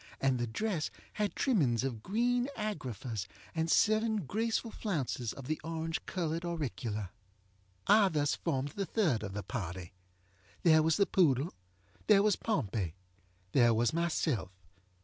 And the dress had trimmings of green agraffas, and seven graceful flounces of the orange colored auricula. I thus formed the third of the party. There was the poodle. There was Pompey. There was myself.